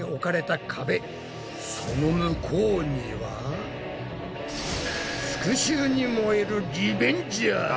その向こうには復しゅうに燃えるリベンジャーズ。